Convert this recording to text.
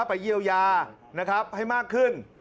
ไปเยียวยานะครับให้มากขึ้น